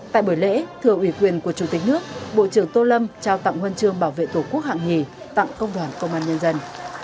tại buổi lễ thưa ủy quyền của chủ tịch nước bộ trưởng tô lâm trao tặng huân chương bảo vệ tổ quốc hạng nhì tặng công đoàn công an nhân dân